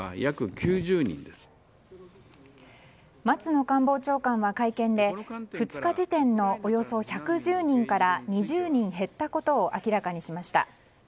松野官房長官は会見で２日時点のおよそ１１０人から２０人減ったことを明らかにしました。